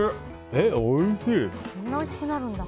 こんなおいしくなるんだ。